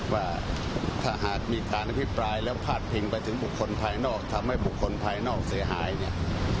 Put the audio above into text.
ว่าถ้าหากมีการอภิปรายแล้วพาดพิงไปถึงบุคคลภายนอกทำให้บุคคลภายนอกเสียหายเนี่ย